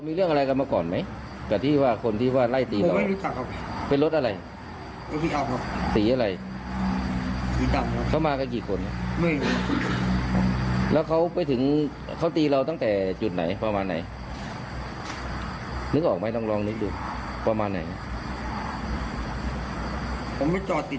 ไม่ให้จอดแล้วแก่หมูไม่ให้จอดแล้ว